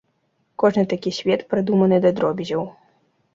Кожны такі свет прадуманы да дробязяў.